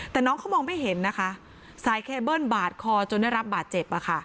แต่น้องเขามองไม่เห็นนะคะสายเคเบิ้ลบาดคอจนได้รับบาดเจ็บ